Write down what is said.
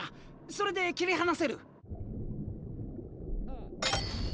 それで切り離せる。